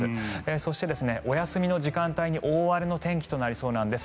そして、お休みの時間帯に大荒れの天気となりそうです。